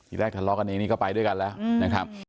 อีกแรกทะเลาะกันเองก็ไปด้วยกันแล้ว